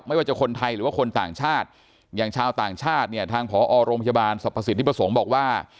ไม่ว่าจะคนไทยหรือคนต่างชาติอย่างชาวต่างชาติทางพอโรงพยาบาลสภาษีนิปสงฆ์บอกว่า